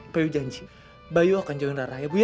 bayu janji bayu akan jalanin rara ya bu ya